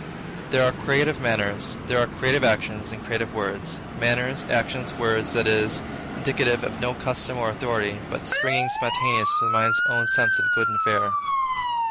There are creative manners, there are creative actions, and creative words; manners, actions, words, that is, indicative of no custom or authority, but springing spontaneous from the mind's own sense of good and fair.